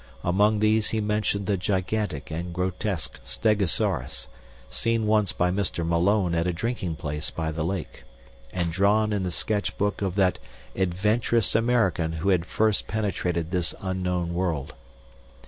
Among these he mentioned the gigantic and grotesque stegosaurus, seen once by Mr. Malone at a drinking place by the lake, and drawn in the sketch book of that adventurous American who had first penetrated this unknown world.